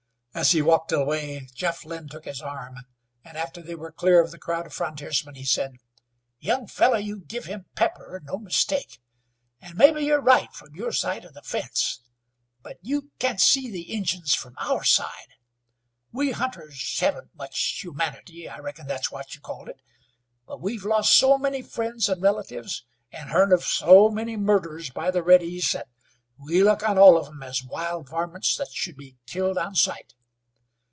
As he walked away Jeff Lynn took his arm, and after they were clear of the crowd of frontiersmen he said: "Young feller, you give him pepper, an' no mistake. An' mebbe you're right from your side the fence. But you can't see the Injuns from our side. We hunters hevn't much humanity I reckon that's what you called it but we've lost so many friends an' relatives, an' hearn of so many murders by the reddys that we look on all of 'em as wild varmints that should be killed on sight.